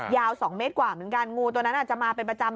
ยาว๒เมตรกว่าเหมือนกันงูตัวนั้นอาจจะมาเป็นประจำ